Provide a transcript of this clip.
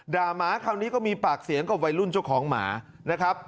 หมาคราวนี้ก็มีปากเสียงกับวัยรุ่นเจ้าของหมานะครับ